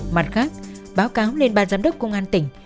mặt khác báo cáo lên ban giám đốc công an tỉnh